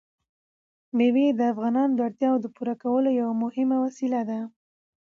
مېوې د افغانانو د اړتیاوو د پوره کولو یوه مهمه وسیله ده.